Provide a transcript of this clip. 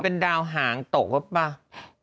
มันเป็นดาวหางตกแล้วบ้าง